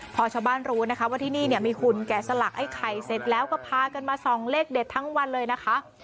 พอชาวบ้านรู้นะคะว่าที่นี่เนี่ยมีคุณแก่สลักไอ้ไข่เสร็จแล้วก็พากันมาส่องเลขเด็ดทั้งวันเลยนะคะ